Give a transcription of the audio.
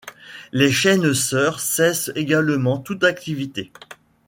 Les chaînes sœurs cessent également toute activité.